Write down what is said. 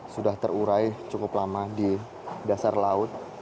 sudah terurai cukup lama di dasar laut